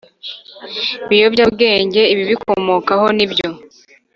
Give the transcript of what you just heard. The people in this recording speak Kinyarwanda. biyobyabwenge ibibikomokaho n ibyo